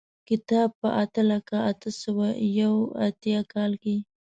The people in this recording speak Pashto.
کتاب په اته لکه اته سوه یو اتیا کال کې.